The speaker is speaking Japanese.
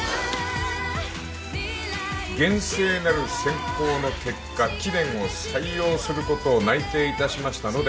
「厳正なる選考の結果」「貴殿を採用することを内定いたしましたので」